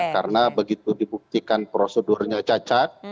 karena begitu dibuktikan prosedurnya cacat